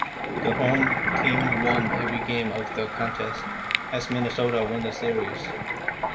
The home team won every game of the contest, as Minnesota won the series.